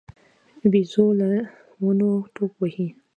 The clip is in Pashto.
بيزو له ونو ټوپ وهي.